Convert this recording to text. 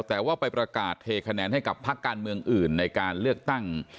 แต่ว่าไปประกาศเทคะแนนให้กับพักการเมืองอื่นในการเลือกตั้ง